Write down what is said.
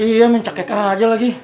iya mencekik aja lagi